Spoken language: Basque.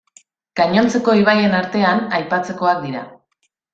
Gainontzeko ibaien artean aipatzekoak dira.